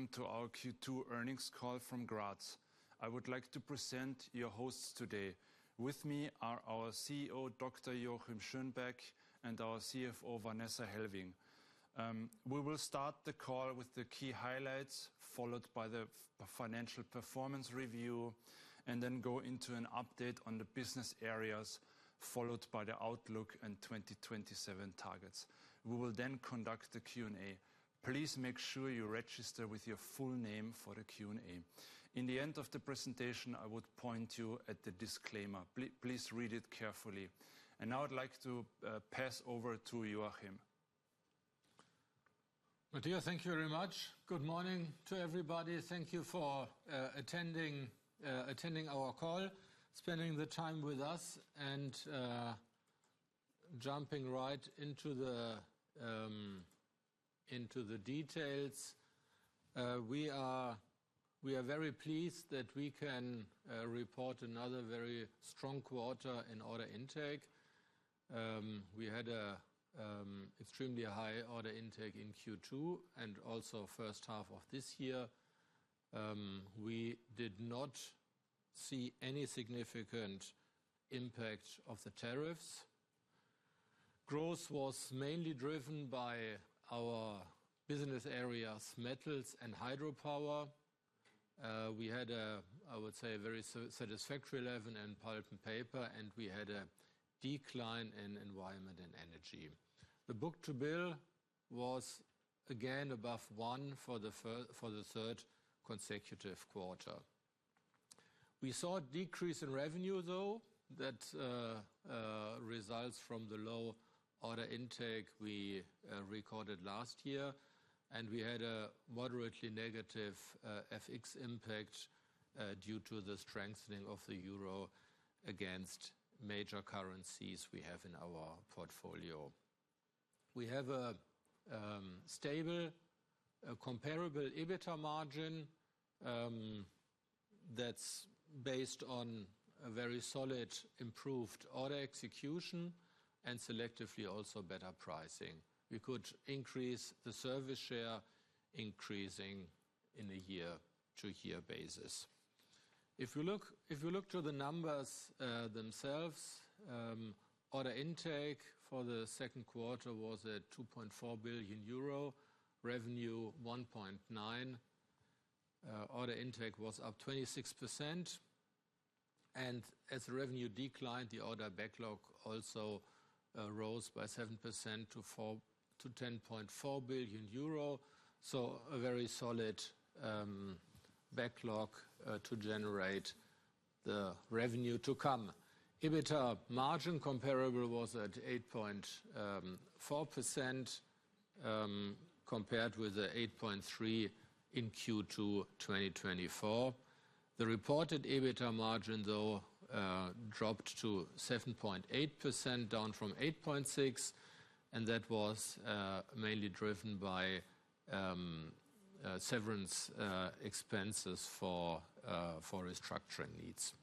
Welcome to our Q2 earnings call from Graz. I would like to present your hosts today. With me are our CEO, Dr. Joachim Schönbeck, and our CFO, Vanessa Hellwing. We will start the call with the key highlights, followed by the financial performance review, and then go into an update on the business areas, followed by the outlook and 2027 targets. We will then conduct the Q&A. Please make sure you register with your full name for the Q&A. At the end of the presentation, I will point you at the disclaimer. Please read it carefully. I would now like to pass over to Joachim. My dear, thank you very much. Good morning to everybody. Thank you for attending our call, spending the time with us, and jumping right into the details. We are very pleased that we can report another very strong quarter in order intake. We had an extremely high order intake in Q2 and also the first half of this year. We did not see any significant impact of the tariffs. Growth was mainly driven by our business areas, metals and hydropower. We had a, I would say, a very satisfactory level in pulp and paper, and we had a decline in environment and energy. The book-to-bill was again above one for the third consecutive quarter. We saw a decrease in revenue, though, that results from the low order intake we recorded last year, and we had a moderately negative FX impact due to the strengthening of the euro against major currencies we have in our portfolio. We have a stable, comparable EBITDA margin that's based on a very solid improved order execution and selectively also better pricing. We could increase the service share, increasing on a year-to-year basis. If you look to the numbers themselves, order intake for the second quarter was at 2.4 billion euro, revenue 1.9 billion, order intake was up 26%, and as the revenue declined, the order backlog also rose by 7% to 10.4 billion euro. A very solid backlog to generate the revenue to come. EBITDA margin comparable was at 8.4% compared with the 8.3% in Q2 2024. The reported EBITDA margin, though, dropped to 7.8%, down from 8.6%, and that was mainly driven by severance expenses for restructuring needs.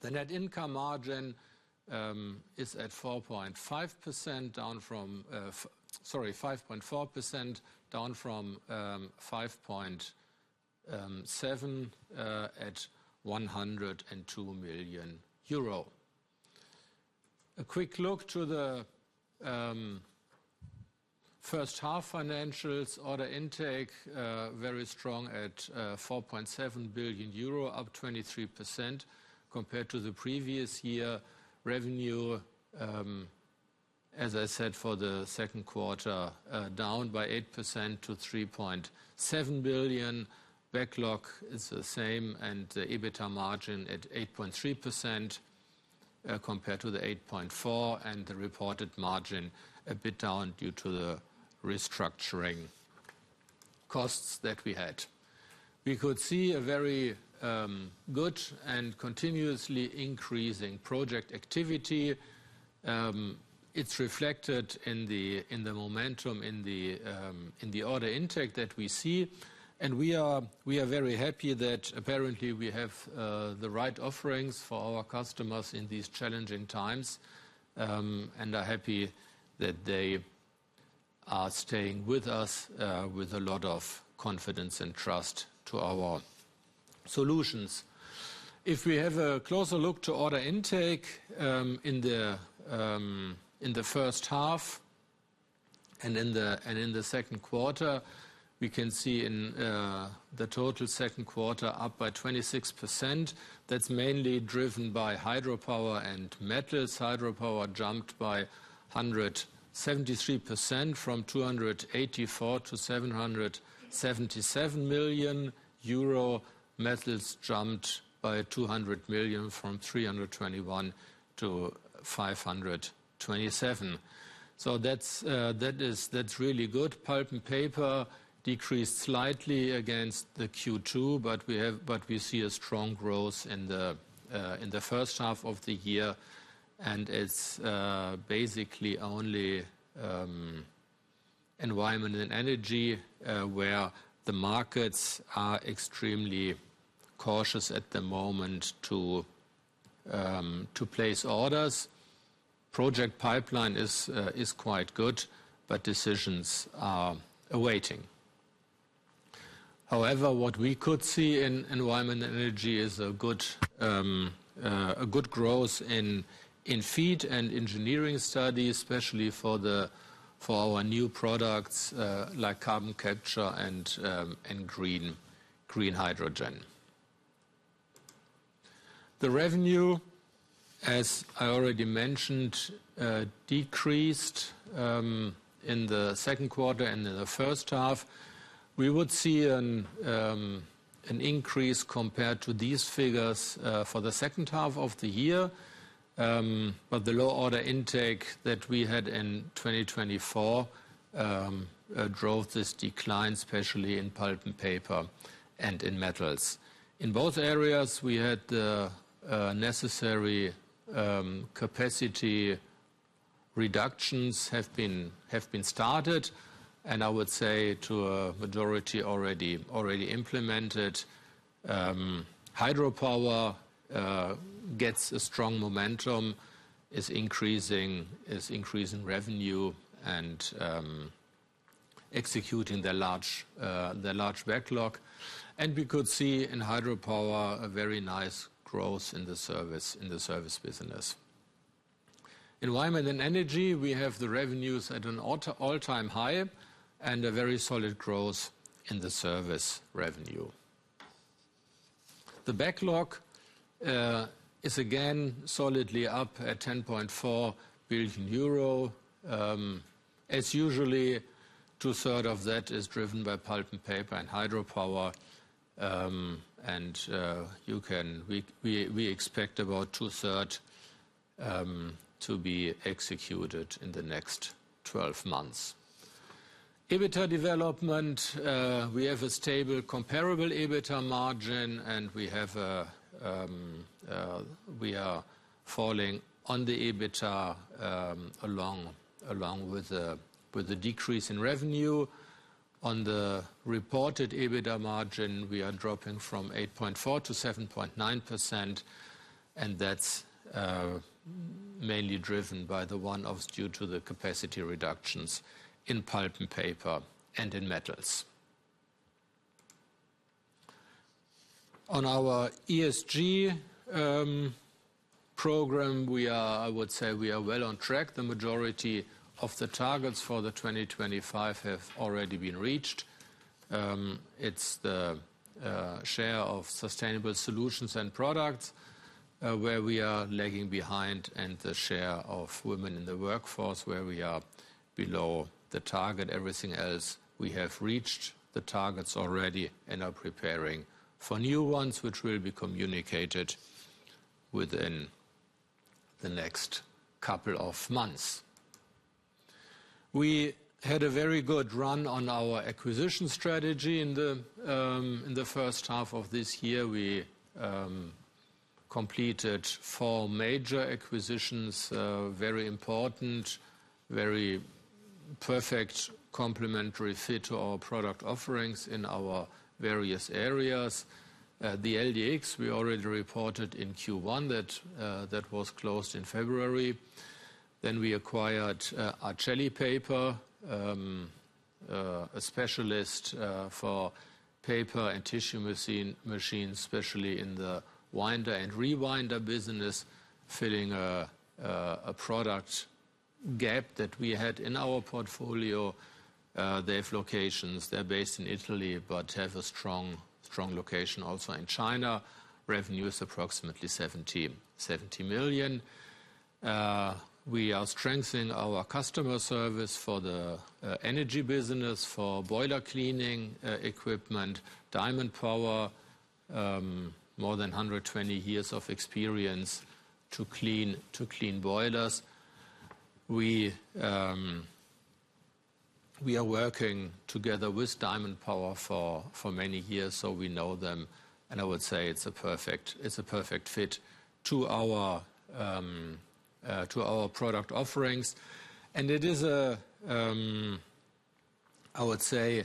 The net income margin is at 4.5%, down from, sorry, 5.4%, down from 5.7% at 102 million euro. A quick look to the first half financials, order intake very strong at 4.7 billion euro, up 23% compared to the previous year. Revenue, as I said, for the second quarter down by 8% to 3.7 billion. Backlog is the same, and the EBITDA margin at 8.3% compared to the 8.4%, and the reported margin a bit down due to the restructuring costs that we had. We could see a very good and continuously increasing project activity. It's reflected in the momentum in the order intake that we see, and we are very happy that apparently we have the right offerings for our customers in these challenging times, and are happy that they are staying with us with a lot of confidence and trust to our solutions. If we have a closer look to order intake in the first half and in the second quarter, we can see in the total second quarter up by 26%. That's mainly driven by hydropower and metals. Hydropower jumped by 173% from 284 million-777 million euro. Metals jumped by 200 million from 321 million-527 million. That's really good. Pulp and paper decreased slightly against Q2, but we see a strong growth in the first half of the year, and it's basically only environment and energy where the markets are extremely cautious at the moment to place orders. Project pipeline is quite good, but decisions are awaiting. However, what we could see in environment and energy is a good growth in feed and engineering studies, especially for our new products like carbon capture and green hydrogen. The revenue, as I already mentioned, decreased in the second quarter and in the first half. We would see an increase compared to these figures for the second half of the year, but the low order intake that we had in 2024 drove this decline, especially in pulp and paper and in metals. In both areas, the necessary capacity reductions have been started, and I would say to a majority already implemented. Hydropower gets a strong momentum, is increasing revenue, and executing their large backlog. We could see in hydropower a very nice growth in the service business. Environment and energy, we have the revenues at an all-time high and a very solid growth in the service revenue. The backlog is again solidly up at 10.4 billion euro. As usual, two-thirds of that is driven by pulp and paper and hydropower, and we expect about two-thirds to be executed in the next 12 months. EBITDA development, we have a stable comparable EBITDA margin, and we are falling on the EBITDA along with the decrease in revenue. On the reported EBITDA margin, we are dropping from 8.4%-7.9%, and that's mainly driven by the one-offs due to the capacity reductions in pulp and paper and in metals. On our ESG program, I would say we are well on track. The majority of the targets for 2025 have already been reached. It's the share of sustainable solutions and products where we are lagging behind, and the share of women in the workforce where we are below the target. Everything else, we have reached the targets already and are preparing for new ones, which will be communicated within the next couple of months. We had a very good run on our acquisition strategy in the first half of this year. We completed four major acquisitions, very important, very perfect complementary fit to our product offerings in our various areas. The LDX, we already reported in Q1 that was closed in February. Then we acquired Arcelo Paper, a specialist for paper and tissue machines, especially in the winder and rewinder business, filling a product gap that we had in our portfolio. They have locations, they're based in Italy, but have a strong location also in China. Revenue is approximately 70 million. We are strengthening our customer service for the energy business, for boiler cleaning equipment, Diamond Power, more than 120 years of experience to clean boilers. We are working together with Diamond Power for many years, so we know them, and I would say it's a perfect fit to our product offerings. It is a, I would say,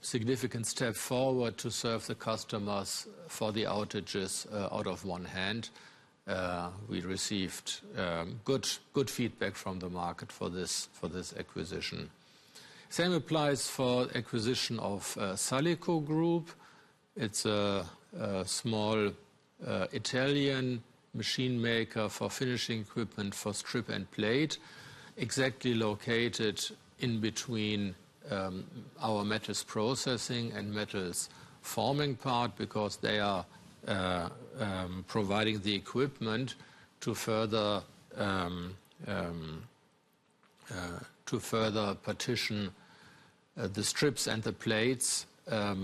significant step forward to serve the customers for the outages out of one hand. We received good feedback from the market for this acquisition. The same applies for the acquisition of Salico Group. It's a small Italian machine maker for finishing equipment for strip and plate, exactly located in between our metals processing and metals forming part because they are providing the equipment to further partition the strips and the plates as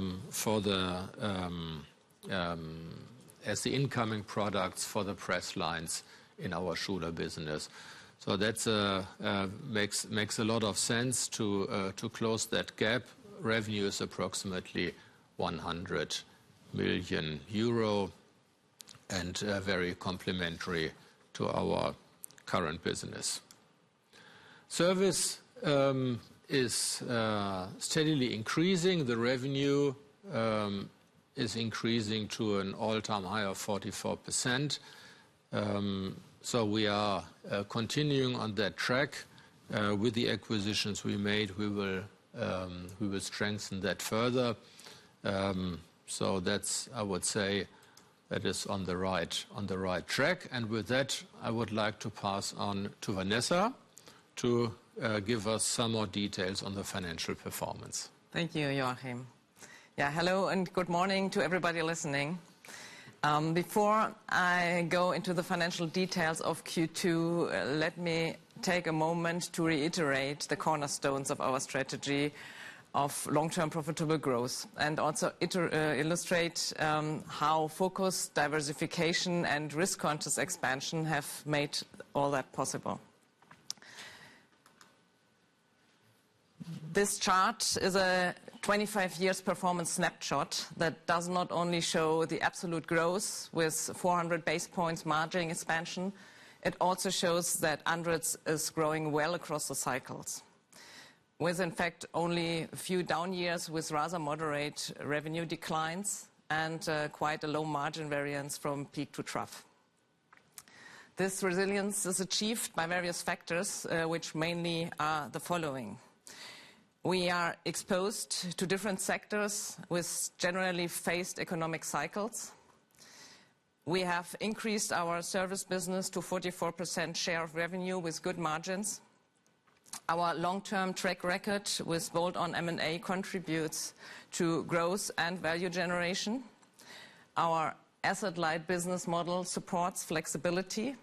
the incoming products for the press lines in our shoulder business. That makes a lot of sense to close that gap. Revenue is approximately 100 million euro and very complementary to our current business. Service is steadily increasing. The revenue is increasing to an all-time high of 44%. We are continuing on that track. With the acquisitions we made, we will strengthen that further. I would say that is on the right track. With that, I would like to pass on to Vanessa to give us some more details on the financial performance. Thank you, Joachim. Yeah, hello and good morning to everybody listening. Before I go into the financial details of Q2, let me take a moment to reiterate the cornerstones of our strategy of long-term profitable growth and also illustrate how focused diversification and risk-conscious expansion have made all that possible. This chart is a 25-year performance snapshot that does not only show the absolute growth with 400 base points margin expansion, it also shows that ANDRITZ is growing well across the cycles with, in fact, only a few down years with rather moderate revenue declines and quite a low margin variance from peak to trough. This resilience is achieved by various factors, which mainly are the following. We are exposed to different sectors with generally phased economic cycles. We have increased our service business to 44% share of revenue with good margins. Our long-term track record with bolt-on M&A contributes to growth and value generation. Our asset-light business model supports flexibility.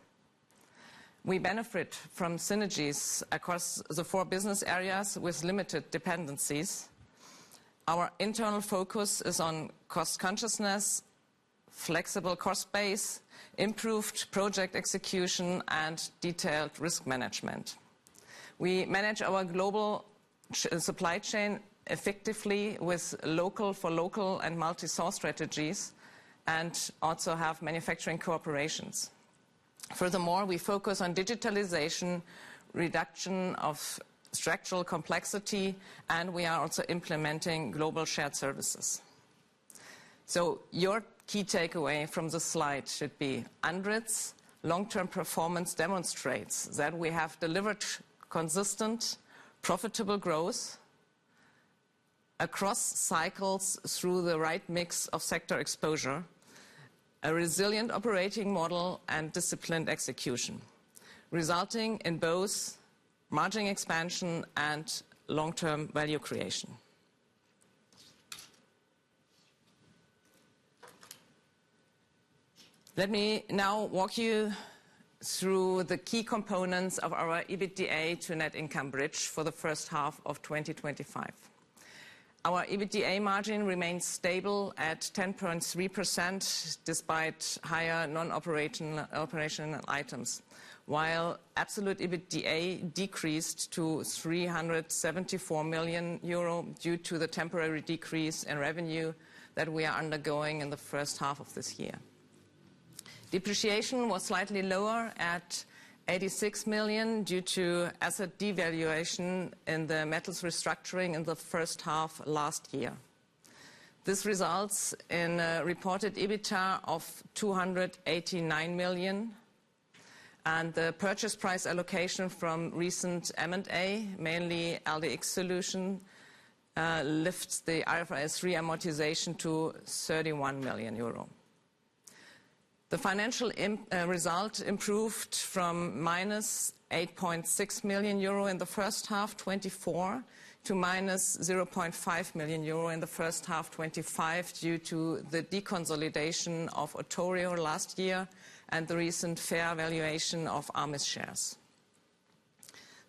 We benefit from synergies across the four business areas with limited dependencies. Our internal focus is on cost consciousness, flexible cost base, improved project execution, and detailed risk management. We manage our global supply chain effectively with local for local and multi-source strategies and also have manufacturing cooperations. Furthermore, we focus on digitalization, reduction of structural complexity, and we are also implementing global shared services. Your key takeaway from the slide should be ANDRITZ's long-term performance demonstrates that we have delivered consistent profitable growth across cycles through the right mix of sector exposure, a resilient operating model, and disciplined execution, resulting in both margin expansion and long-term value creation. Let me now walk you through the key components of our EBITDA to net income bridge for the first half of 2025. Our EBITDA margin remains stable at 10.3% despite higher non-operational items, while absolute EBITDA decreased to 374 million euro due to the temporary decrease in revenue that we are undergoing in the first half of this year. Depreciation was slightly lower at 86 million due to asset devaluation in the metals restructuring in the first half last year. This results in a reported EBITDA of 289 million, and the purchase price allocation from recent M&A, mainly LDX Solutions, lifts the IFRS III amortization to 31 million euro. The financial result improved from -8.6 million euro in the first half, 2024, to -0.5 million euro in the first half, 2025, due to the deconsolidation of Otorio last year and the recent fair valuation of Armis shares.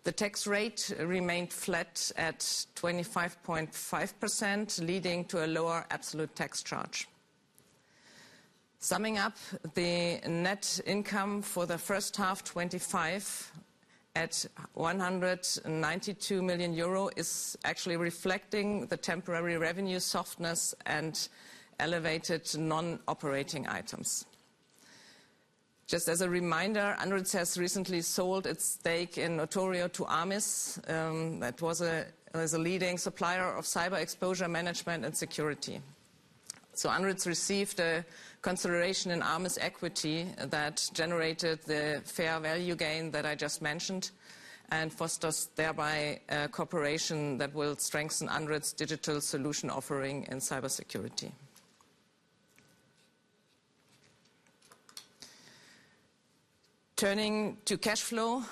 The tax rate remained flat at 25.5%, leading to a lower absolute tax charge. Summing up, the net income for the first half, 2025, at 192 million euro is actually reflecting the temporary revenue softness and elevated non-operating items. Just as a reminder, ANDRITZ has recently sold its stake in Otorio to Armis, that was the leading supplier of cyber exposure management and security. ANDRITZ received a consideration in Armis equity that generated the fair value gain that I just mentioned and fosters thereby a cooperation that will strengthen ANDRITZ's digital solution offering in cybersecurity. Turning to cash flow,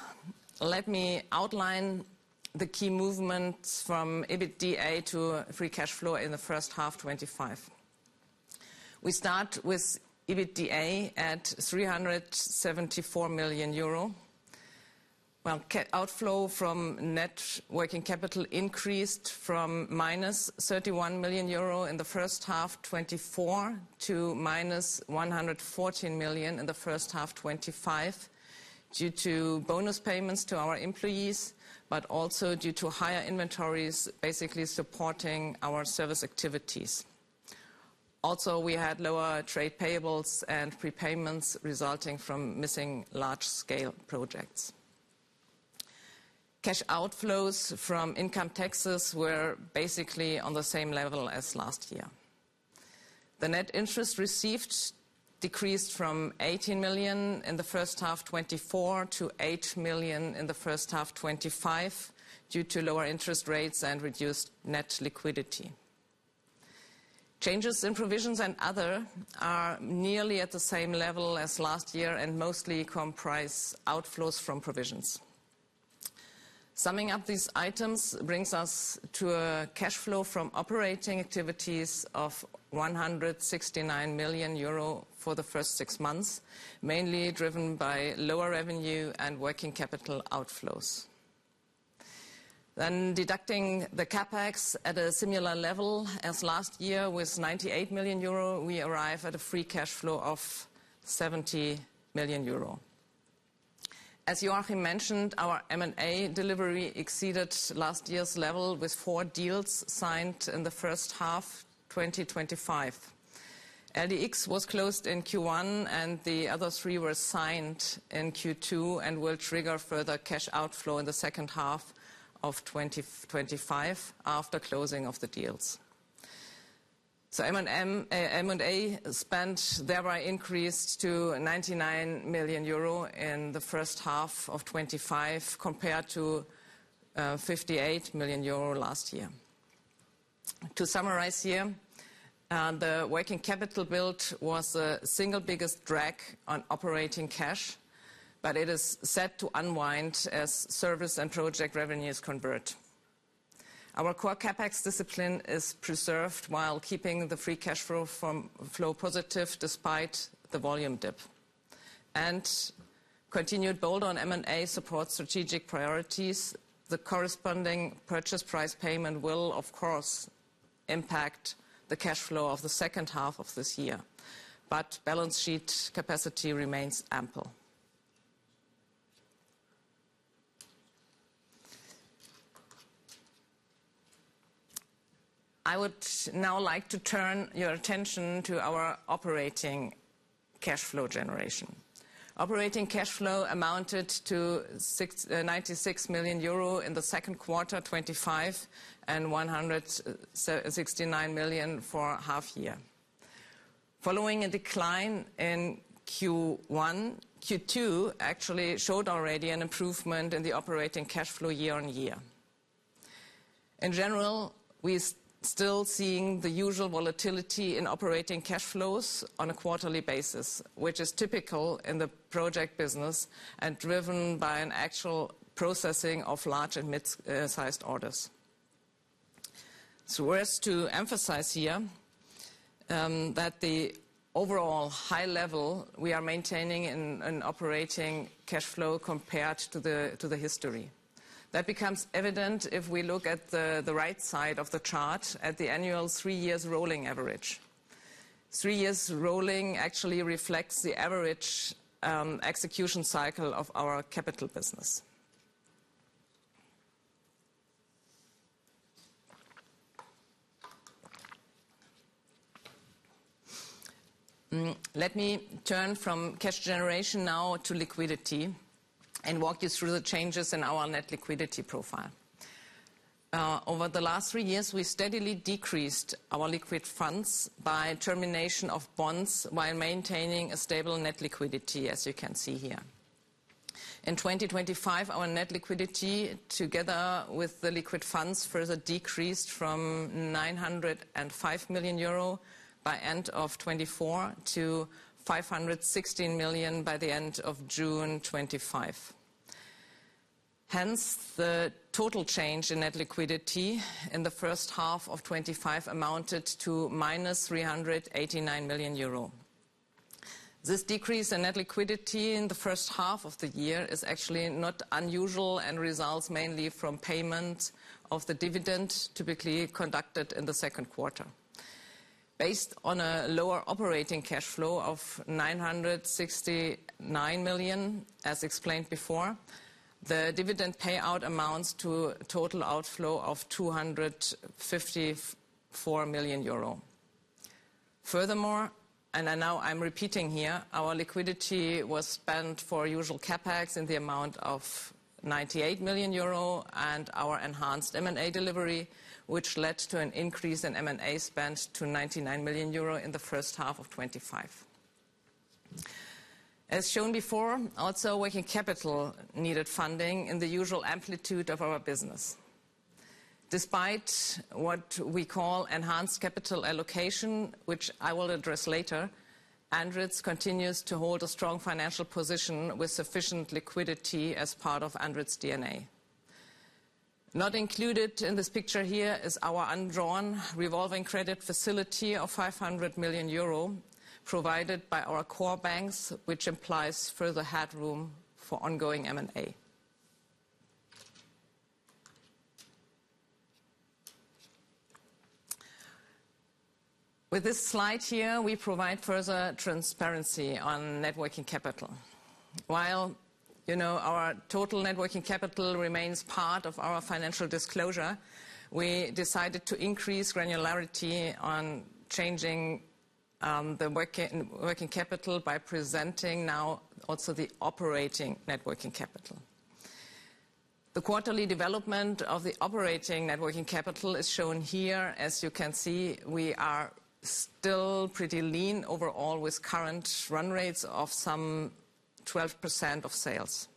let me outline the key movements from EBITDA to free cash flow in the first half, 2025. We start with EBITDA at 374 million euro. Outflow from net working capital increased from -31 million euro in the first half, 2024, to -114 million in the first half, 2025, due to bonus payments to our employees, but also due to higher inventories basically supporting our service activities. We had lower trade payables and prepayments resulting from missing large-scale projects. Cash outflows from income taxes were basically on the same level as last year. The net interest received decreased from 18 million in the first half, 2024, to 8 million in the first half, 2025, due to lower interest rates and reduced net liquidity. Changes in provisions and other are nearly at the same level as last year and mostly comprise outflows from provisions. Summing up these items brings us to a cash flow from operating activities of 169 million euro for the first six months, mainly driven by lower revenue and working capital outflows. Deducting the CapEx at a similar level as last year with 98 million euro, we arrive at a free cash flow of 70 million euro. As Joachim mentioned, our M&A delivery exceeded last year's level with four deals signed in the first half, 2025. LDX Solutions was closed in Q1 and the other three were signed in Q2 and will trigger further cash outflow in the second half of 2025 after closing of the deals. M&A spend thereby increased to 99 million euro in the first half of 2025 compared to 58 million euro last year. To summarize here, the working capital build was the single biggest drag on operating cash, but it is set to unwind as service and project revenues convert. Our core CapEx discipline is preserved while keeping the free cash flow positive despite the volume dip and continued bolt-on M&A support strategic priorities. The corresponding purchase price payment will, of course, impact the cash flow of the second half of this year, but balance sheet capacity remains ample. I would now like to turn your attention to our operating cash flow generation. Operating cash flow amounted to 96 million euro in the second quarter, 2025, and 169 million for half year. Following a decline in Q1, Q2 actually showed already an improvement in the operating cash flow year on year. In general, we are still seeing the usual volatility in operating cash flows on a quarterly basis, which is typical in the project business and driven by an actual processing of large and mid-sized orders. We're asked to emphasize here that the overall high level we are maintaining in operating cash flow compared to the history. That becomes evident if we look at the right side of the chart at the annual three-year rolling average. Three-year rolling actually reflects the average execution cycle of our capital business. Let me turn from cash generation now to liquidity and walk you through the changes in our net liquidity profile. Over the last three years, we steadily decreased our liquid funds by termination of bonds while maintaining a stable net liquidity, as you can see here. In 2025, our net liquidity, together with the liquid funds, further decreased from 905 million euro by end of 2024 to 516 million by the end of June 2025. Hence, the total change in net liquidity in the first half of 2025 amounted to -389 million euro. This decrease in net liquidity in the first half of the year is actually not unusual and results mainly from payment of the dividend typically conducted in the second quarter. Based on a lower operating cash flow of 969 million, as explained before, the dividend payout amounts to a total outflow of 254 million euro. Furthermore, our liquidity was spent for usual CapEx in the amount of 98 million euro and our enhanced M&A delivery, which led to an increase in M&A spend to 99 million euro in the first half of 2025. As shown before, also working capital needed funding in the usual amplitude of our business. Despite what we call enhanced capital allocation, which I will address later, ANDRITZ continues to hold a strong financial position with sufficient liquidity as part of ANDRITZ DNA. Not included in this picture here is our undrawn revolving credit facility of 500 million euro provided by our core banks, which implies further headroom for ongoing M&A. With this slide here, we provide further transparency on net working capital. While our total net working capital remains part of our financial disclosure, we decided to increase granularity on changing the working capital by presenting now also the operating net working capital. The quarterly development of the operating net working capital is shown here. As you can see, we are still pretty lean overall with current run rates of some 12% of sales.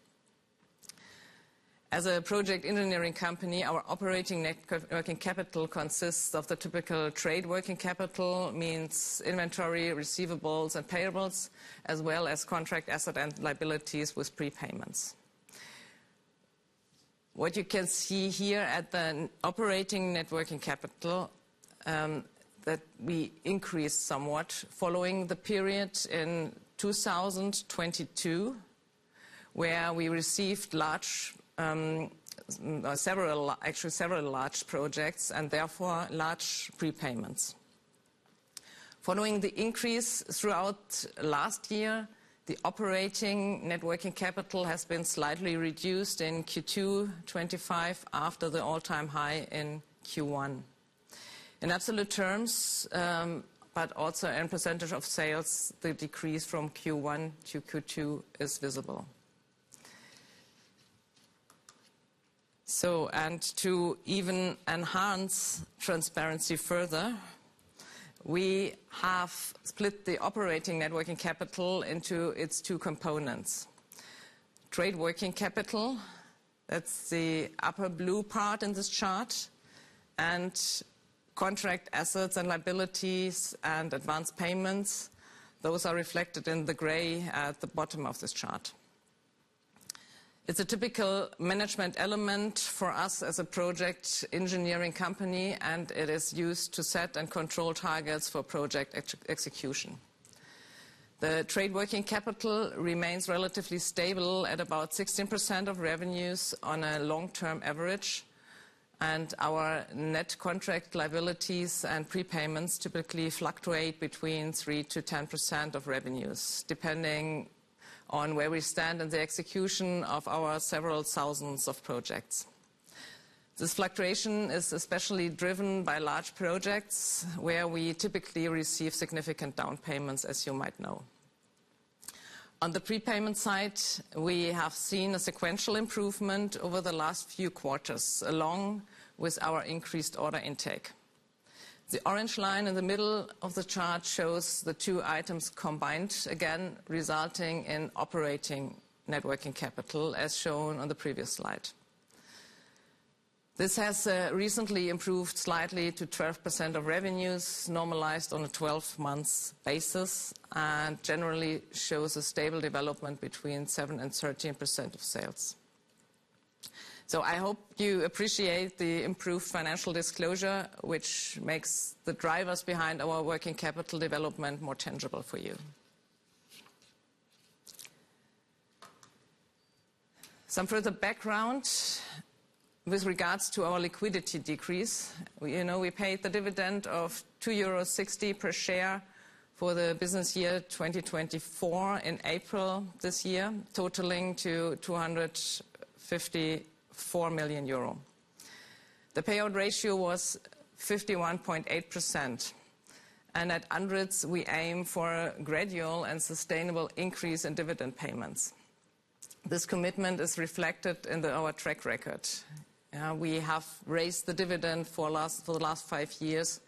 As a project engineering company, our operating net working capital consists of the typical trade working capital, means inventory, receivables, and payables, as well as contract assets and liabilities with prepayments. What you can see here at the operating net working capital is that we increased somewhat following the period in 2022, where we received several large projects and therefore large prepayments. Following the increase throughout last year, the operating net working capital has been slightly reduced in Q2 2025 after the all-time high in Q1. In absolute terms, but also in percentage of sales, the decrease from Q1 to Q2 is visible. To even enhance transparency further, we have split the operating net working capital into its two components: trade working capital, that's the upper blue part in this chart, and contract assets and liabilities and advanced payments. Those are reflected in the gray at the bottom of this chart. It's a typical management element for us as a project engineering company, and it is used to set and control targets for project execution. The trade working capital remains relatively stable at about 16% of revenues on a long-term average, and our net contract liabilities and prepayments typically fluctuate between 3%-10% of revenues, depending on where we stand in the execution of our several thousands of projects. This fluctuation is especially driven by large projects where we typically receive significant down payments, as you might know. On the prepayment side, we have seen a sequential improvement over the last few quarters, along with our increased order intake. The orange line in the middle of the chart shows the two items combined, again resulting in operating networking capital, as shown on the previous slide. This has recently improved slightly to 12% of revenues, normalized on a 12-month basis, and generally shows a stable development between 7% and 13% of sales. I hope you appreciate the improved financial disclosure, which makes the drivers behind our working capital development more tangible for you. Some further background with regards to our liquidity decrease. We paid the dividend of 2.60 euros per share for the business year 2024 in April this year, totaling to 254 million euro. The payout ratio was 51.8%, and at ANDRITZ, we aim for a gradual and sustainable increase in dividend payments. This commitment is reflected in our track record. We have raised the dividend for the last five years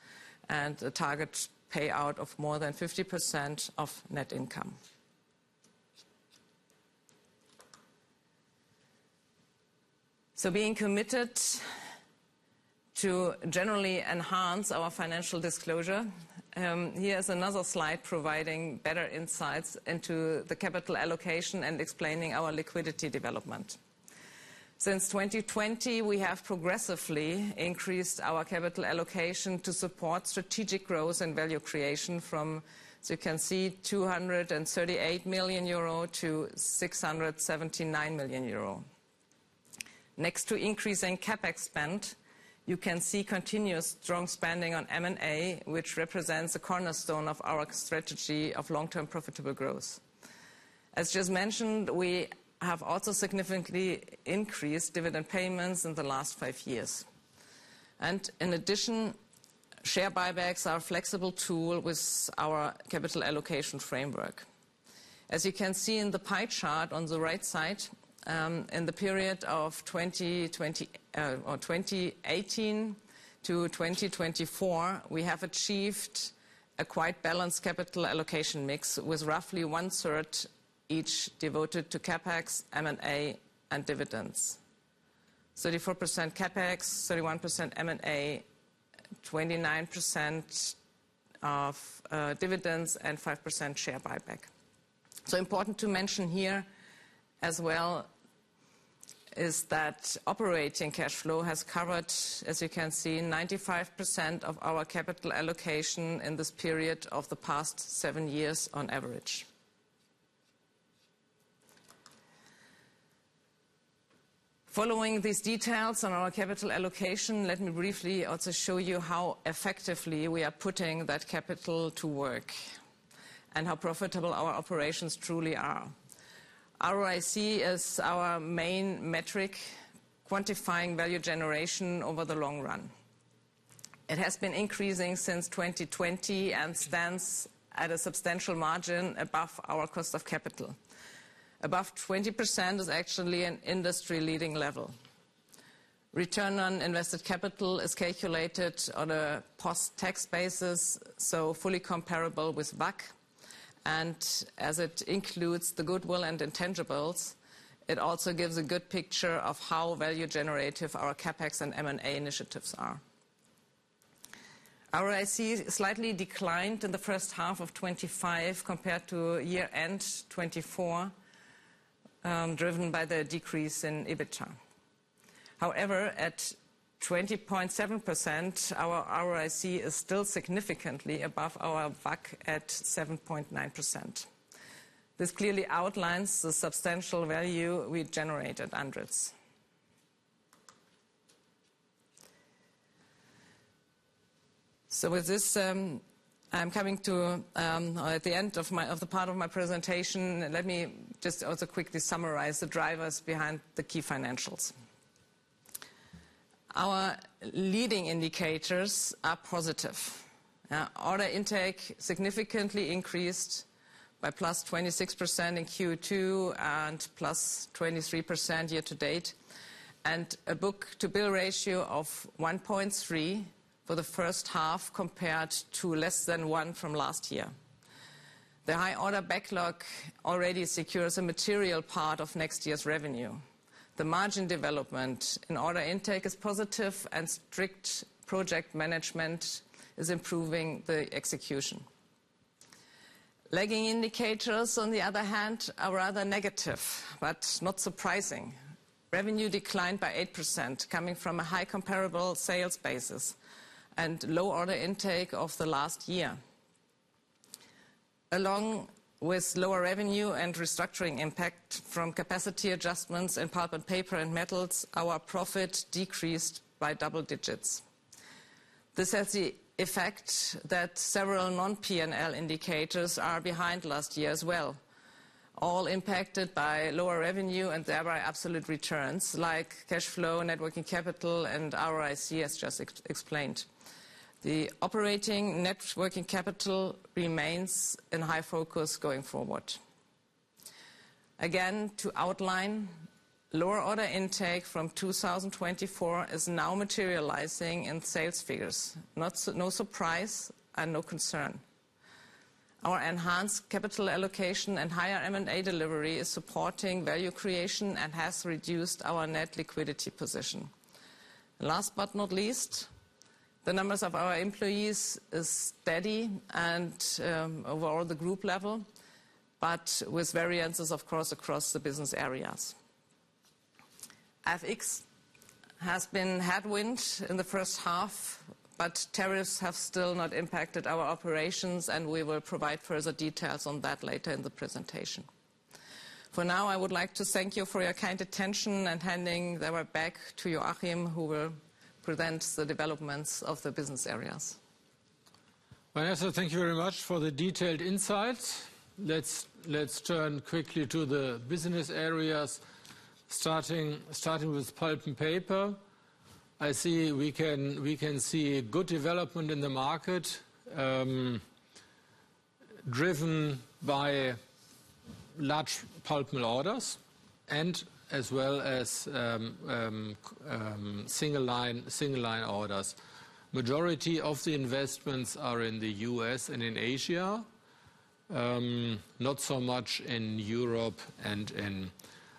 and a target payout of more than 50% of net income. Being committed to generally enhance our financial disclosure, here is another slide providing better insights into the capital allocation and explaining our liquidity development. Since 2020, we have progressively increased our capital allocation to support strategic growth and value creation from, as you can see, 238 million-679 million euro. Next to increasing CapEx spend, you can see continuous strong spending on M&A, which represents a cornerstone of our strategy of long-term profitable growth. As just mentioned, we have also significantly increased dividend payments in the last five years. In addition, share buybacks are a flexible tool with our capital allocation framework. As you can see in the pie chart on the right side, in the period of 2018 to 2024, we have achieved a quite balanced capital allocation mix with roughly one-third each devoted to CapEx, M&A, and dividends. 34% CapEx, 31% M&A, 29% of dividends, and 5% share buyback. Important to mention here as well is that operating cash flow has covered, as you can see, 95% of our capital allocation in this period of the past seven years on average. Following these details on our capital allocation, let me briefly also show you how effectively we are putting that capital to work and how profitable our operations truly are. ROIC is our main metric quantifying value generation over the long run. It has been increasing since 2020 and stands at a substantial margin above our cost of capital. Above 20% is actually an industry-leading level. Return on invested capital is calculated on a post-tax basis, so fully comparable with WACC. As it includes the goodwill and intangibles, it also gives a good picture of how value-generative our CapEx and M&A initiatives are. ROIC slightly declined in the first half of 2025 compared to year-end 2024, driven by the decrease in EBITDA. However, at 20.7%, our ROIC is still significantly above our WACC at 7.9%. This clearly outlines the substantial value we generate at ANDRITZ. With this, I'm coming to the end of the part of my presentation. Let me just also quickly summarize the drivers behind the key financials. Our leading indicators are positive. Order intake significantly increased by +26% in Q2 and +23% year to date, and a book-to-bill ratio of 1.3 for the first half compared to less than one from last year. The high order backlog already secures a material part of next year's revenue. The margin development in order intake is positive, and strict project management is improving the execution. Lagging indicators, on the other hand, are rather negative but not surprising. Revenue declined by 8%, coming from a high comparable sales basis and low order intake of the last year. Along with lower revenue and restructuring impact from capacity adjustments in pulp and paper and metals, our profit decreased by double digits. This has the effect that several non-P&L indicators are behind last year as well, all impacted by lower revenue and thereby absolute returns like cash flow, net working capital, and ROIC, as just explained. The operating net working capital remains in high focus going forward. Again, to outline, lower order intake from 2024 is now materializing in sales figures. No surprise and no concern. Our enhanced capital allocation and higher M&A delivery is supporting value creation and has reduced our net liquidity position. Last but not least, the numbers of our employees are steady and over all the group level, but with variances, of course, across the business areas. FX has been headwind in the first half, but tariffs have still not impacted our operations, and we will provide further details on that later in the presentation. For now, I would like to thank you for your kind attention and hand the word back to Joachim, who will present the developments of the business areas. Vanessa, thank you very much for the detailed insights. Let's turn quickly to the business areas, starting with pulp and paper. I see we can see good development in the market, driven by large pulp mill orders as well as single line orders. The majority of the investments are in the U.S. and in Asia, not so much in Europe and in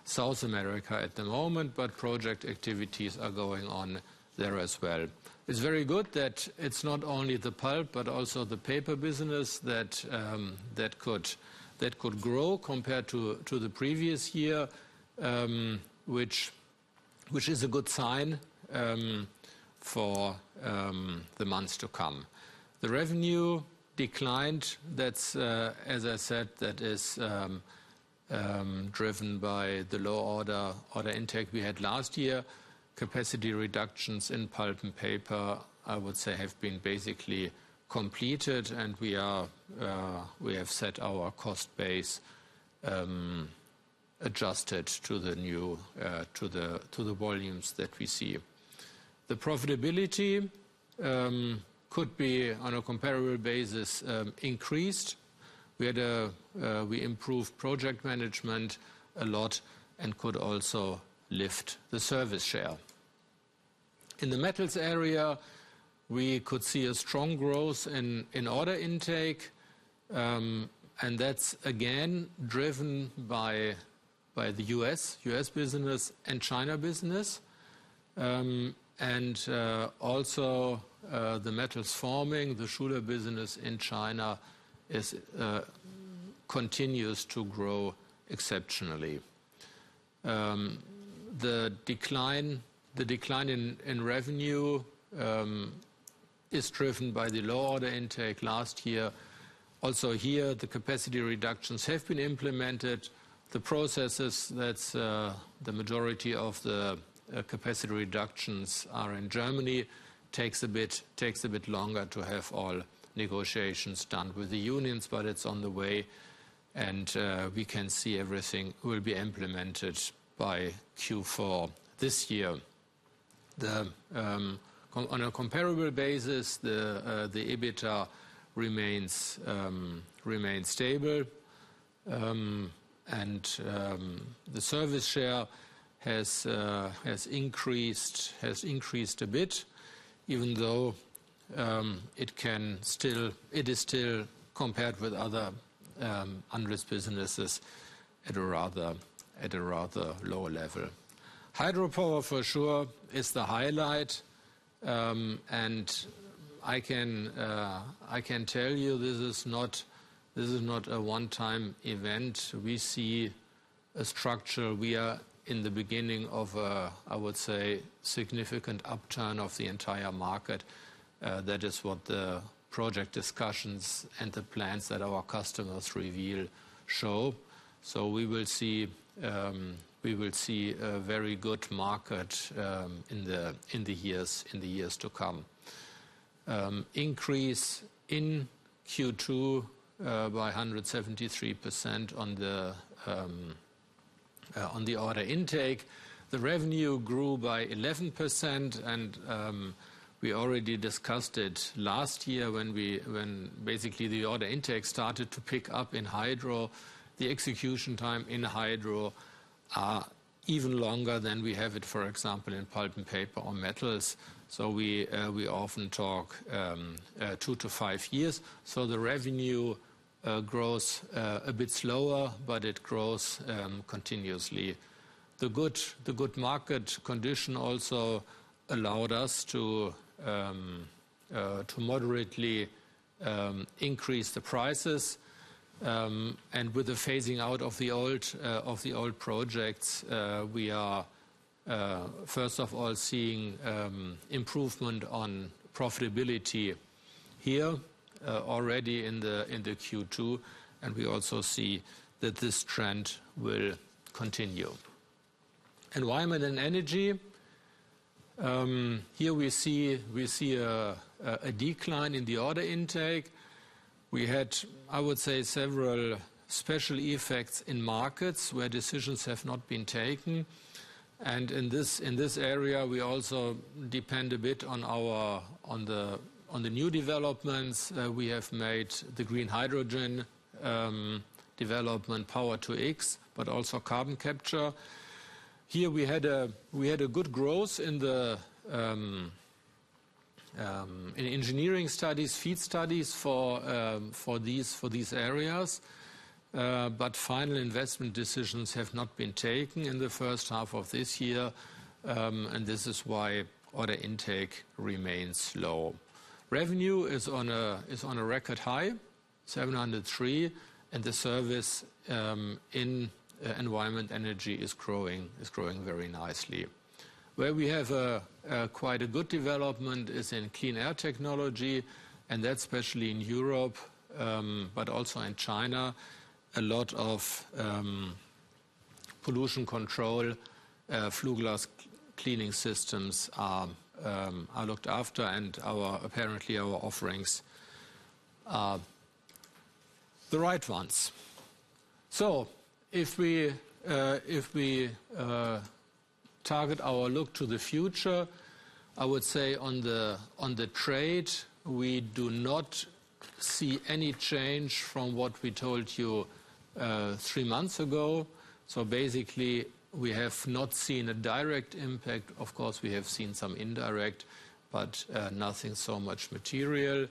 South America at the moment, but project activities are going on there as well. It's very good that it's not only the pulp but also the paper business that could grow compared to the previous year, which is a good sign for the months to come. The revenue declined, as I said, that is driven by the low order intake we had last year. Capacity reductions in pulp and paper, I would say, have been basically completed, and we have set our cost base adjusted to the volumes that we see. The profitability could be on a comparable basis increased. We improved project management a lot and could also lift the service share. In the metals area, we could see a strong growth in order intake, and that's again driven by the U.S. business and China business. Also, the metals forming, the shoulder business in China continues to grow exceptionally. The decline in revenue is driven by the low order intake last year. Also here, the capacity reductions have been implemented. The processes that the majority of the capacity reductions are in Germany take a bit longer to have all negotiations done with the unions, but it's on the way, and we can see everything will be implemented by Q4 this year. On a comparable basis, the EBITDA remains stable, and the service share has increased a bit, even though it is still compared with other ANDRITZ businesses at a rather lower level. Hydropower for sure is the highlight, and I can tell you this is not a one-time event. We see a structure. We are in the beginning of a, I would say, significant upturn of the entire market. That is what the project discussions and the plans that our customers reveal show. We will see a very good market in the years to come. Increase in Q2 by 173% on the order intake. The revenue grew by 11%, and we already discussed it last year when basically the order intake started to pick up in hydro. The execution time in hydro is even longer than we have it, for example, in pulp and paper or metals. We often talk two to five years. The revenue grows a bit slower, but it grows continuously. The good market condition also allowed us to moderately increase the prices, and with the phasing out of the old projects, we are, first of all, seeing improvement on profitability here already in the Q2, and we also see that this trend will continue. Environment and energy. Here we see a decline in the order intake. We had, I would say, several special effects in markets where decisions have not been taken. In this area, we also depend a bit on the new developments that we have made, the green hydrogen development, power to X, but also carbon capture. Here we had a good growth in engineering studies, feed studies for these areas, but final investment decisions have not been taken in the first half of this year, and this is why order intake remains low. Revenue is on a record high, 703 million, and the service in environment and energy is growing very nicely. Where we have quite a good development is in clean air technology, and that's especially in Europe, but also in China. A lot of pollution control, flue gas cleaning systems are looked after, and apparently our offerings are the right ones. If we target our look to the future, I would say on the trade, we do not see any change from what we told you three months ago. Basically, we have not seen a direct impact. Of course, we have seen some indirect, but nothing so much material.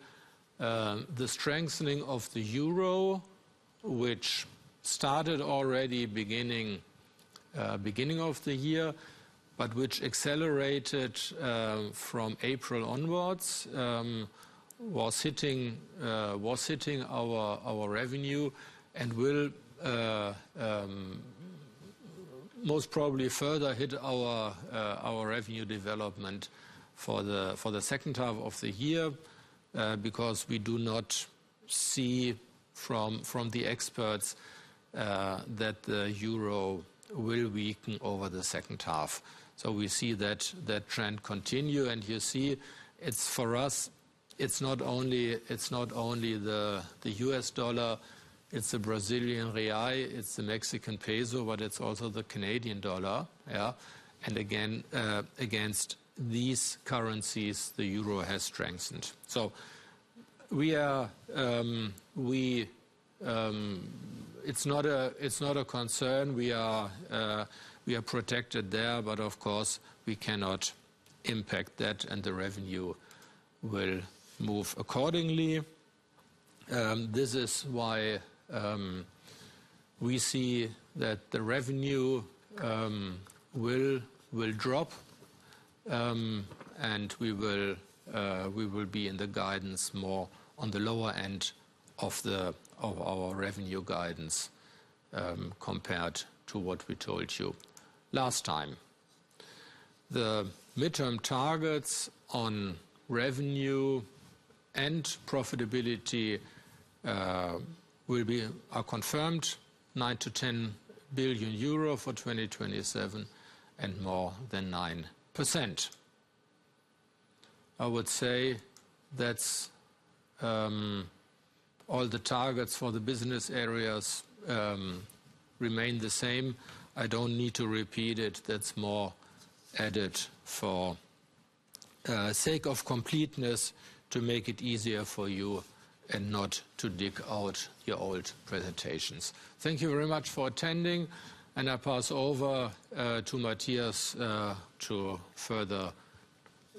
The strengthening of the euro, which started already beginning of the year, but which accelerated from April onwards, was hitting our revenue and will most probably further hit our revenue development for the second half of the year because we do not see from the experts that the euro will weaken over the second half. We see that trend continue, and you see for us, it's not only the US dollar, it's the Brazilian real, it's the Mexican peso, but it's also the Canadian dollar. Again, against these currencies, the euro has strengthened. It's not a concern. We are protected there, but of course, we cannot impact that and the revenue will move accordingly. This is why we see that the revenue will drop, and we will be in the guidance more on the lower end of our revenue guidance compared to what we told you last time. The midterm targets on revenue and profitability are confirmed, 9 billion-10 billion euro for 2027 and more than 9%. I would say that all the targets for the business areas remain the same. I don't need to repeat it. That's more added for the sake of completeness to make it easier for you and not to dig out your old presentations. Thank you very much for attending, and I pass over to Matthias to further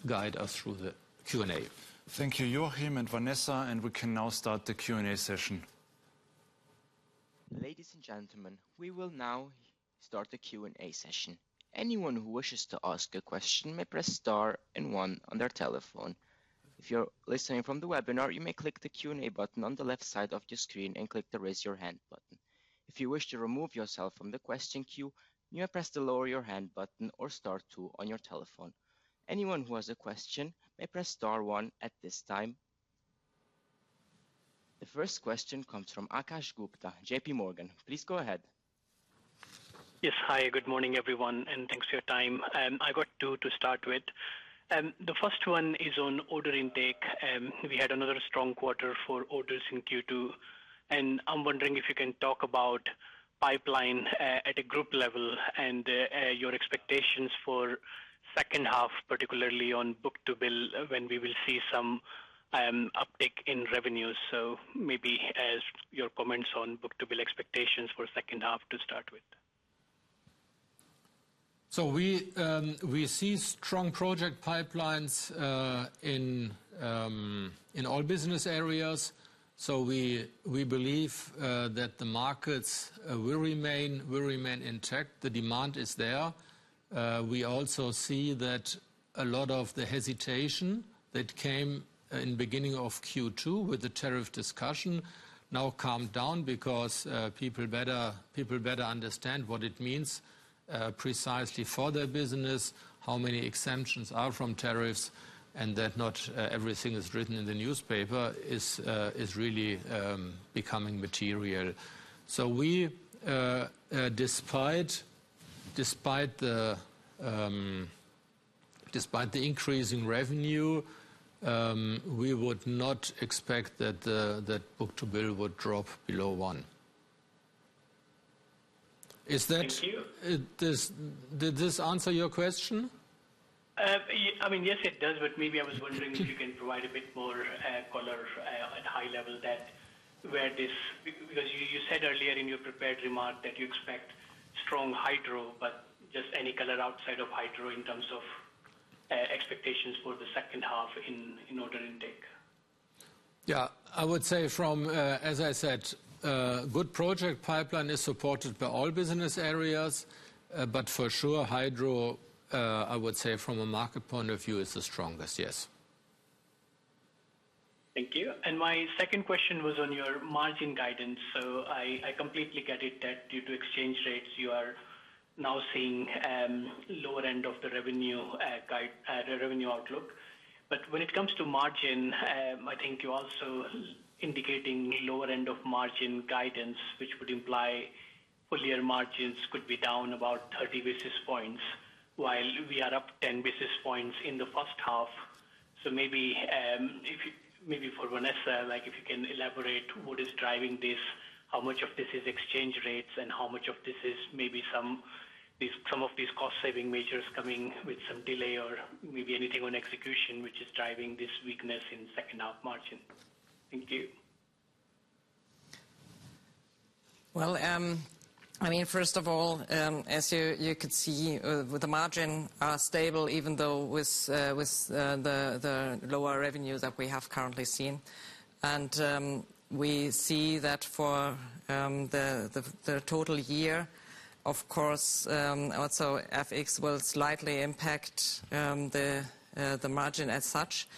guide us through the Q&A. Thank you, Joachim and Vanessa, we can now start the Q&A session. Ladies and gentlemen, we will now start the Q&A session. Anyone who wishes to ask a question may press star and one on their telephone. If you're listening from the webinar, you may click the Q&A button on the left side of your screen and click the raise your hand button. If you wish to remove yourself from the question queue, you may press the lower your hand button or star two on your telephone. Anyone who has a question may press star one at this time. The first question comes from Akash Gupta, JPMorgan. Please go ahead. Yes, hi, good morning everyone, and thanks for your time. I got two to start with. The first one is on order intake. We had another strong quarter for orders in Q2, and I'm wondering if you can talk about pipeline at a group level and your expectations for the second half, particularly on book-to-bill, when we will see some uptake in revenues. Maybe your comments on book-to-bill expectations for the second half to start with. We see strong project pipelines in all business areas. We believe that the markets will remain intact. The demand is there. We also see that a lot of the hesitation that came in the beginning of Q2 with the tariff discussion has now calmed down because people better understand what it means precisely for their business, how many exemptions are from tariffs, and that not everything that is written in the newspaper is really becoming material. Despite the increase in revenue, we would not expect that book-to-bill would drop below one. Did this answer your question? Yes, it does, but maybe I was wondering if you can provide a bit more color at a high level, because you said earlier in your prepared remark that you expect strong hydro. Just any color outside of hydro in terms of expectations for the second half in order intake. I would say from, as I said, good project pipeline is supported by all business areas, but for sure hydro, I would say from a market point of view, is the strongest, yes. Thank you. My second question was on your margin guidance. I completely get it that due to exchange rates, you are now seeing a lower end of the revenue outlook. When it comes to margin, I think you're also indicating lower end of margin guidance, which would imply earlier margins could be down about 30 basis points while we are up 10 basis points in the first half. Maybe for Vanessa, if you can elaborate what is driving this, how much of this is exchange rates and how much of this is maybe some of these cost-saving measures coming with some delay or maybe anything on execution which is driving this weakness in the second half margin. Thank you. First of all, as you could see, the margin is stable even though with the lower revenues that we have currently seen. We see that for the total year, of course, also FX will slightly impact the margin as such.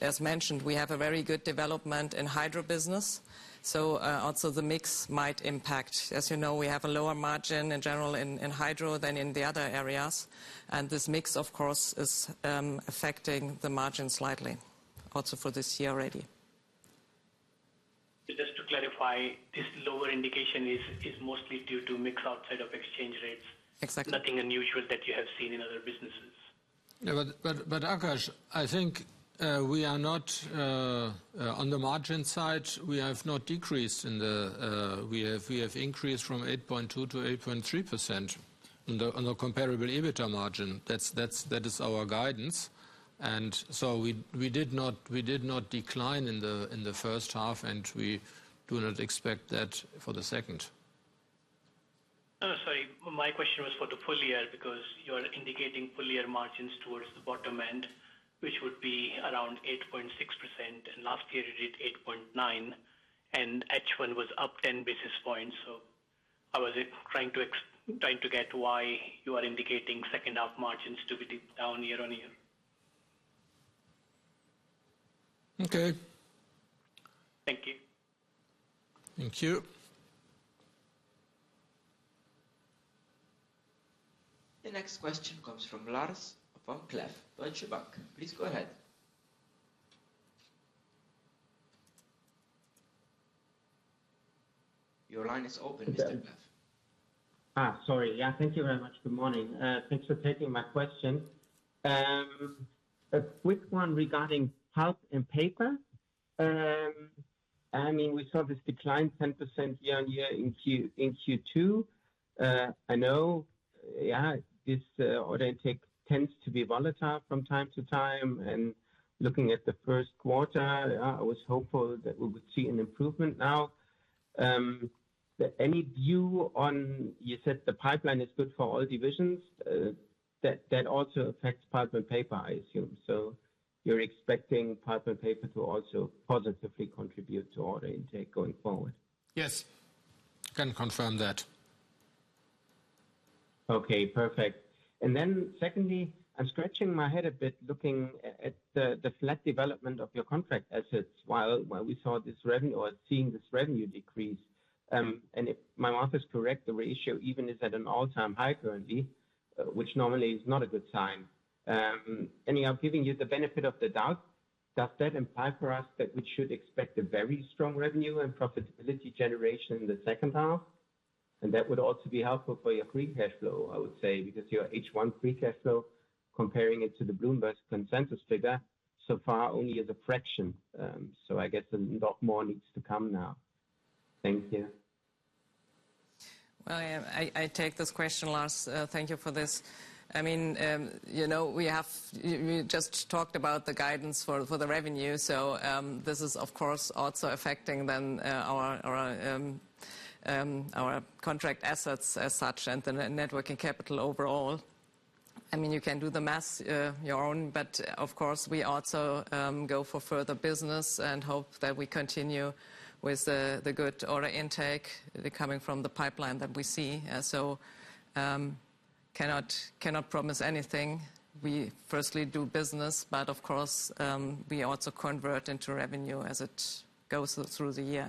As mentioned, we have a very good development in hydro business. Also, the mix might impact. As you know, we have a lower margin in general in hydro than in the other areas. This mix, of course, is affecting the margin slightly also for this year already. Just to clarify, this lower indication is mostly due to mix outside of exchange rates. Exactly. Nothing unusual that you have seen in other businesses. Akash, I think we are not on the margin side. We have not decreased in the, we have increased from 8.2%-8.3% on the comparable EBITDA margin. That is our guidance. We did not decline in the first half, and we do not expect that for the second. Sorry, my question was for the full year because you are indicating full year margins towards the bottom end, which would be around 8.6%. Last year it hit 8.9% and H1 was up 10 basis points. I was trying to get why you are indicating second half margins to be down year on year. Okay. Thank you. Thank you. The next question comes from Lars Vom-Cleff with Deutsche Bank. Please go ahead. Your line is open, Mr. Vom-Cleff. Thank you very much. Good morning. Thanks for taking my question. A quick one regarding pulp and paper. I mean, we saw this decline 10% year on year in Q2. I know this order intake tends to be volatile from time to time. Looking at the first quarter, I was hopeful that we would see an improvement now. Any view on, you said the pipeline is good for all divisions. That also affects pulp and paper, I assume. You're expecting pulp and paper to also positively contribute to order intake going forward? Yes, I can confirm that. Okay, perfect. Secondly, I'm scratching my head a bit looking at the flat development of your contract assets while we saw this revenue or seeing this revenue decrease. If my math is correct, the ratio even is at an all-time high currently, which normally is not a good sign. You are giving you the benefit of the doubt. Does that imply for us that we should expect a very strong revenue and profitability generation in the second half? That would also be helpful for your free cash flow, I would say, because your H1 free cash flow, comparing it to the Bloomberg consensus figure, so far only is a fraction. I guess a lot more needs to come now. Thank you. Thank you for this, Lars. I mean, you know, we just talked about the guidance for the revenue. This is, of course, also affecting then our contract assets as such and the net working capital overall. I mean, you can do the math your own, but of course, we also go for further business and hope that we continue with the good order intake coming from the pipeline that we see. I cannot promise anything. We firstly do business, but of course, we also convert into revenue as it goes through the year.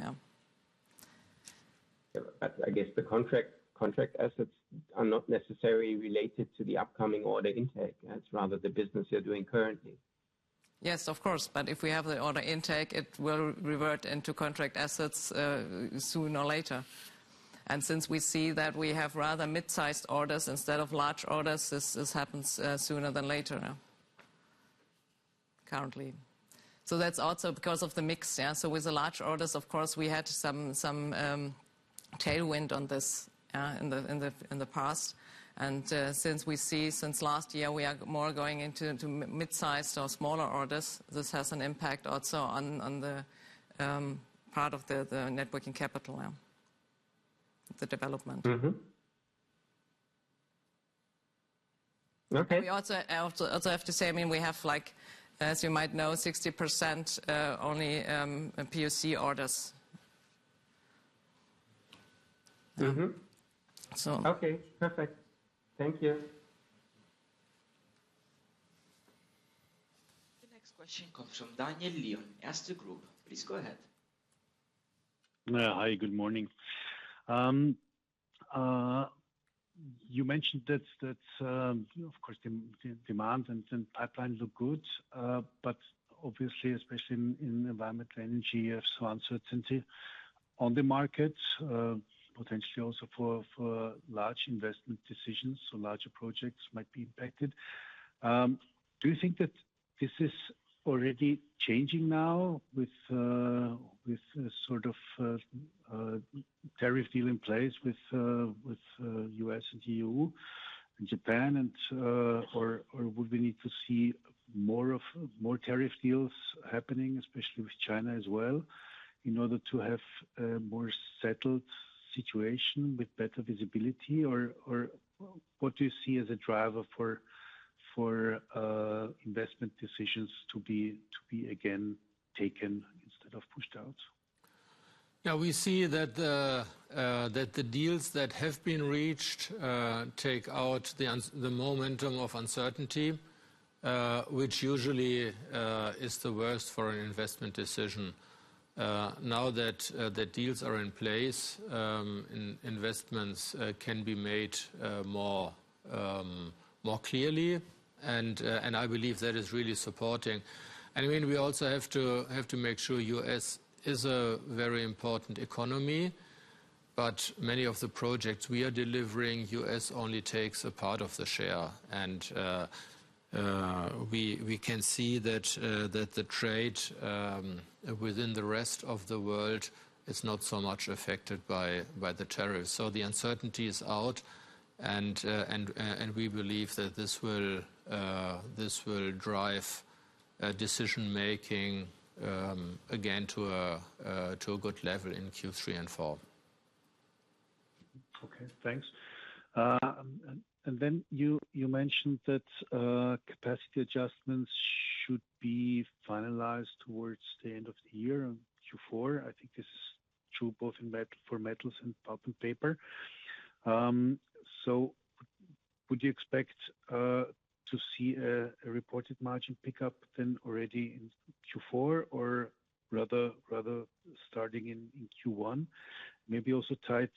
I guess the contract assets are not necessarily related to the upcoming order intake. It's rather the business you're doing currently. Yes, of course. If we have the order intake, it will revert into contract assets sooner or later. Since we see that we have rather mid-sized orders instead of large orders, this happens sooner than later currently. That is also because of the mix. With the large orders, we had some tailwind on this in the past. Since we see since last year, we are more going into mid-sized or smaller orders, this has an impact also on the part of the net working capital, the development. Okay. We also have to say, I mean, we have, as you might know, 60% only POC orders. Okay, perfect. Thank you. The next question comes from Daniel Lion, Erste Group. Please go ahead. Hi, good morning. You mentioned that, of course, the demand and pipeline look good, but obviously, especially in environment and energy, it's on the market, potentially also for large investment decisions, so larger projects might be impacted. Do you think that this is already changing now with a sort of tariff deal in place with the U.S. and the EU and Japan, or would we need to see more tariff deals happening, especially with China as well, in order to have a more settled situation with better visibility? What do you see as a driver for investment decisions to be again taken instead of pushed out? Yeah, we see that the deals that have been reached take out the momentum of uncertainty, which usually is the worst for an investment decision. Now that the deals are in place, investments can be made more clearly. I believe that is really supporting. We also have to make sure the U.S. is a very important economy, but many of the projects we are delivering, the U.S. only takes a part of the share. We can see that the trade within the rest of the world is not so much affected by the tariffs. The uncertainty is out, and we believe that this will drive decision-making again to a good level in Q3 and Q4. Okay, thanks. You mentioned that capacity adjustments should be finalized towards the end of the year in Q4. I think this is true both for metals and pulp and paper. Would you expect to see a reported margin pickup then already in Q4, or rather starting in Q1? Maybe also tied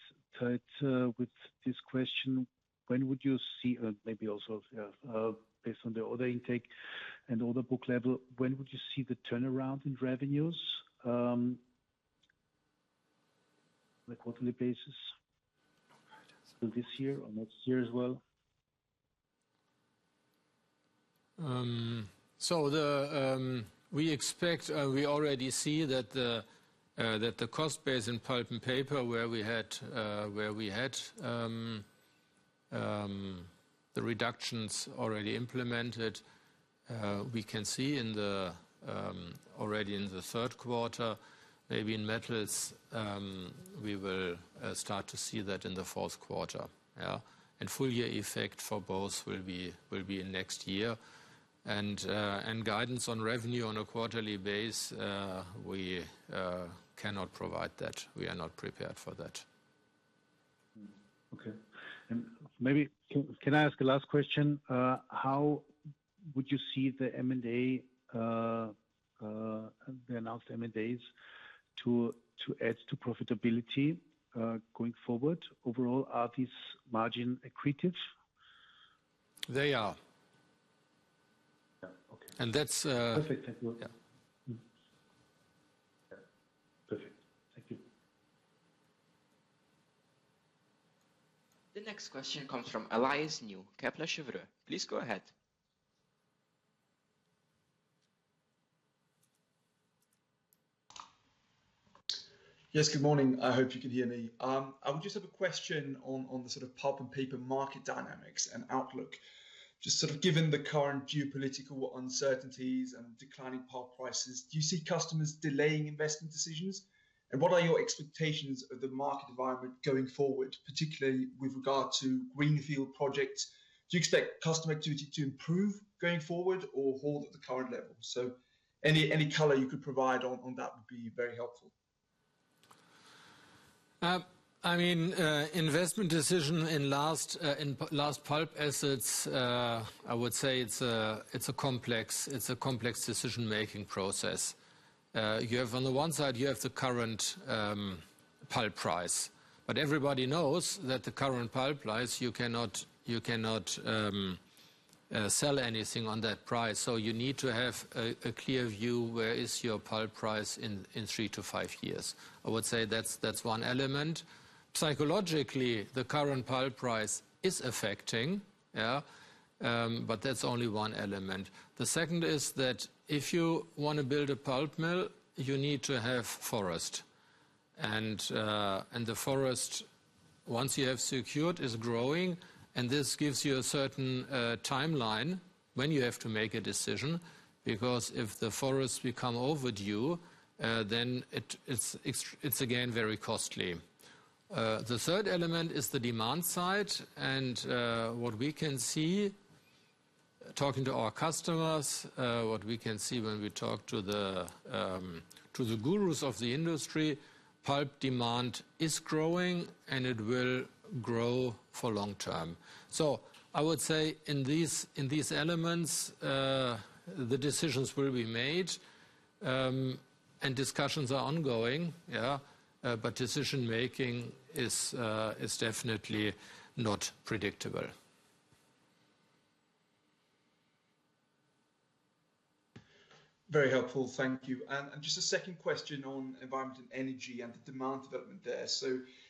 with this question, when would you see, maybe also based on the order intake and order book level, the turnaround in revenues on a quarterly basis? This year or next year as well? We expect, and we already see that the cost base in pulp and paper where we had the reductions already implemented, we can see already in the third quarter. Maybe in metals, we will start to see that in the fourth quarter. The full-year effect for both will be in next year. Guidance on revenue on a quarterly base, we cannot provide that. We are not prepared for that. Okay. Maybe can I ask a last question? How would you see the M&A, the announced M&As, to add to profitability going forward? Overall, are these margin accretives? They are. Yeah, okay. And that's. Perfect. Thank you. Perfect. Thank you. The next question comes from Elias New, Kepler Cheuvreux. Please go ahead. Yes, good morning. I hope you can hear me. I would just have a question on the sort of pulp and paper market dynamics and outlook. Given the current geopolitical uncertainties and declining pulp prices, do you see customers delaying investment decisions? What are your expectations of the market environment going forward, particularly with regard to greenfield projects? Do you expect customer activity to improve going forward or hold at the current level? Any color you could provide on that would be very helpful. I mean, investment decision in last pulp assets, I would say it's a complex decision-making process. You have, on the one side, you have the current pulp price, but everybody knows that the current pulp price, you cannot sell anything on that price. You need to have a clear view where is your pulp price in three to five years. I would say that's one element. Psychologically, the current pulp price is affecting, but that's only one element. The second is that if you want to build a pulp mill, you need to have forest. The forest, once you have secured, is growing, and this gives you a certain timeline when you have to make a decision because if the forest becomes overdue, then it's again very costly. The third element is the demand side, and what we can see, talking to our customers, what we can see when we talk to the gurus of the industry, pulp demand is growing, and it will grow for long term. I would say in these elements, the decisions will be made, and discussions are ongoing, but decision-making is definitely not predictable. Very helpful. Thank you. Just a second question on environment and energy and the demand development there.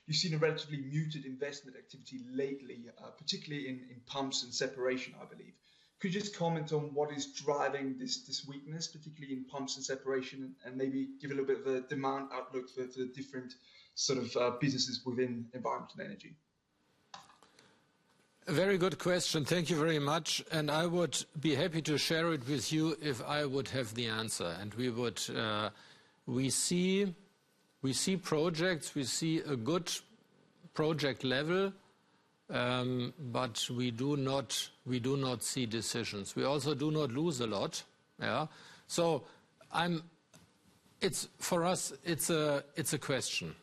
You've seen a relatively muted investment activity lately, particularly in pumps and separation, I believe. Could you just comment on what is driving this weakness, particularly in pumps and separation, and maybe give a little bit of a demand outlook for the different sort of businesses within environment and energy? Very good question. Thank you very much. I would be happy to share it with you if I would have the answer. We see projects, we see a good project level, but we do not see decisions. We also do not lose a lot. For us, it's a question.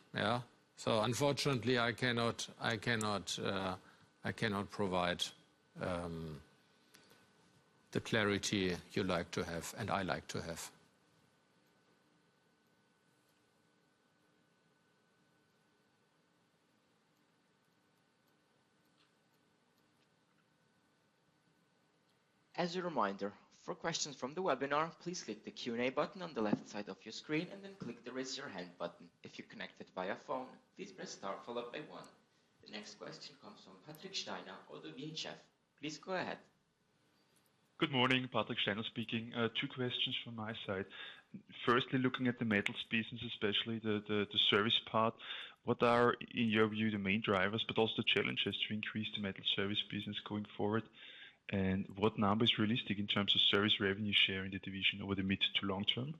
Unfortunately, I cannot provide the clarity you like to have and I like to have. As a reminder, for questions from the webinar, please click the Q&A button on the left side of your screen and then click the raise your hand button. If you're connected via phone, please press star followed by one. The next question comes from Patrick Steiner of ODDO BHF. Please go ahead. Good morning. Patrick Steiner speaking. Two questions from my side. Firstly, looking at the metals business, especially the service part, what are, in your view, the main drivers, but also the challenges to increase the metals service business going forward? What number is realistic in terms of service revenue share in the division over the mid to long term?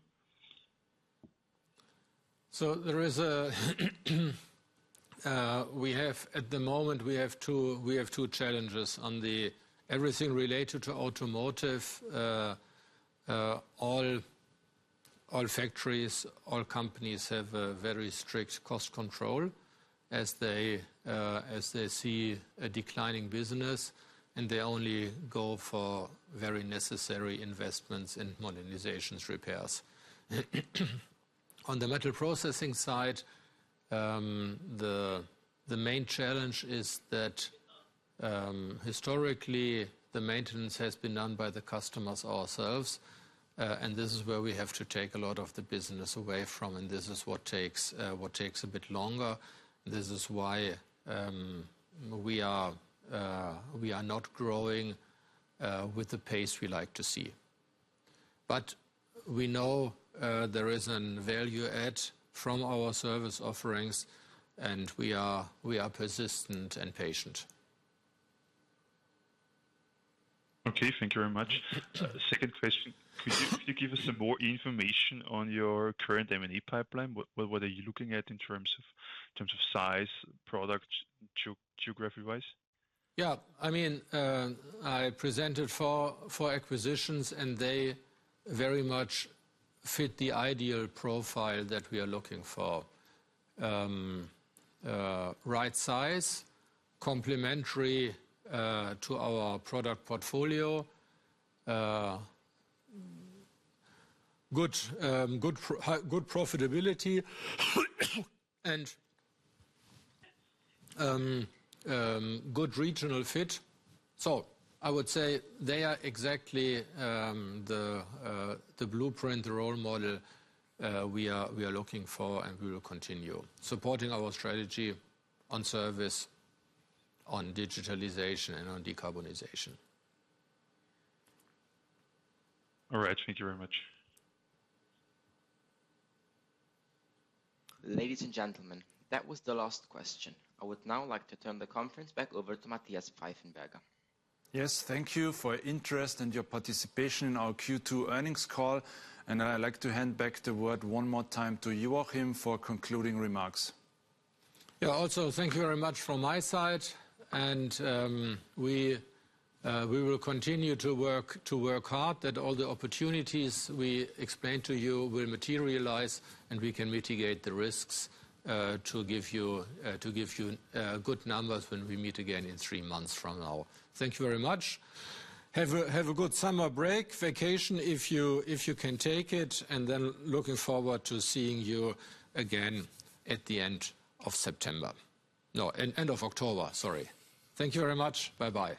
At the moment, we have two challenges on everything related to automotive. All factories, all companies have very strict cost control as they see a declining business, and they only go for very necessary investments in modernizations, repairs. On the metal processing side, the main challenge is that historically, the maintenance has been done by the customers themselves, and this is where we have to take a lot of the business away from, and this is what takes a bit longer. This is why we are not growing with the pace we like to see. We know there is a value add from our service offerings, and we are persistent and patient. Okay, thank you very much. Second question, could you give us some more information on your current M&A pipeline? What are you looking at in terms of size, product, geography-wise? I mean, I presented four acquisitions, and they very much fit the ideal profile that we are looking for: right size, complementary to our product portfolio, good profitability, and good regional fit. I would say they are exactly the blueprint, the role model we are looking for, and we will continue supporting our strategy on service, on digitalization, and on decarbonization. All right, thank you very much. Ladies and gentlemen, that was the last question. I would now like to turn the conference back over to Matthias Pfeifenberger. Yes, thank you for your interest and your participation in our Q2 earnings call. I would like to hand back the word one more time to Joachim for concluding remarks. Thank you very much from my side, and we will continue to work hard that all the opportunities we explained to you will materialize, and we can mitigate the risks to give you good numbers when we meet again in three months from now. Thank you very much. Have a good summer break, vacation if you can take it, and then looking forward to seeing you again at the end of September. No, end of October, sorry. Thank you very much. Bye-bye.